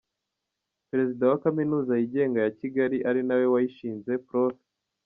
Perezida wa kaminuza yigenga ya Kigali ari nawe wayishinze, prof.